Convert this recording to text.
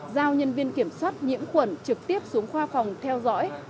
giao nhân viên kiểm soát nhiễm khuẩn trực tiếp xuống khoa phòng theo dõi